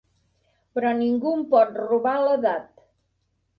Però ningú em pot robar l'edat.